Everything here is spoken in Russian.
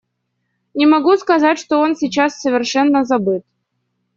Не могу сказать, что он сейчас совершенно забыт.